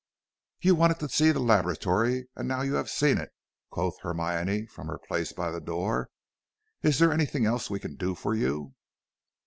"You wanted to see the laboratory, and now you have seen it," quoth Hermione from her place by the door. "Is there anything else we can do for you?"